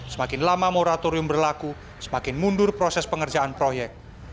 semakin lama moratorium berlaku semakin mundur proses pengerjaan proyek